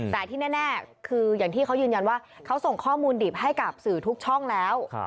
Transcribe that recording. แต่ที่แน่คืออย่างที่เขายืนยันว่าเขาส่งข้อมูลดิบให้กับสื่อทุกช่องแล้ว